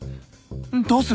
どうする！？